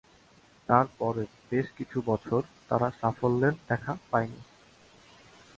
তার পরের বেশ কিছু বছর তারা সাফল্যের দেখা পায়নি।